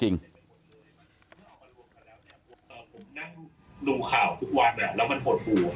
ผมนั่งดูข่าวทุกวันแล้วมันหดหู่